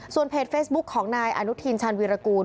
ส่วนเพจเฟซบุ๊กของนายอนุทีนชันวีรกูล